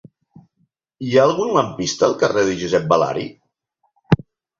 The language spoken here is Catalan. Hi ha algun lampista al carrer de Josep Balari?